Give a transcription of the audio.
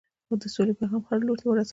د سولې پیغام هر لوري ته ورسوئ.